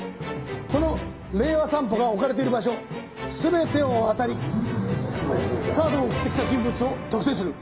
この『令和散歩』が置かれてる場所全てを当たりカードを送ってきた人物を特定する。